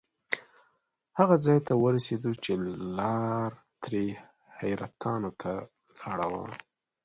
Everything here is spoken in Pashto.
هغه ځای ته ورسېدو چې لار ترې حیرتانو ته لاړه وه.